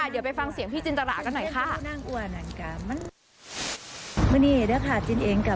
เดี๋ยวไปฟังเสียงพี่จินตรากันหน่อยค่ะ